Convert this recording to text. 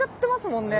もんね